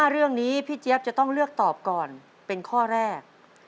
เรื่องนี้พี่เจี๊ยบจะต้องเลือกตอบก่อนเป็นข้อแรก